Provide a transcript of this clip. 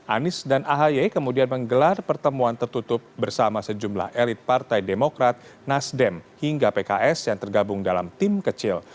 anies dan ahy kemudian menggelar pertemuan tertutup bersama sejumlah elit partai demokrat nasdem hingga pks yang tergabung dalam tim kecil